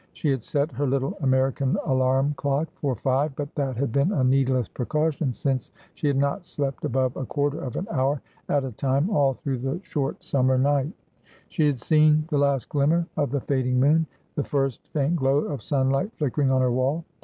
She had set her little American alarum clock for five ; but that had been a needless precaution, since she had not slept above a quarter of an hour at a time all through the short summer 110 Asphodel, night. She had seen the last glimmer of the fading moon, the first faint glow of sunlight flickering on her wall.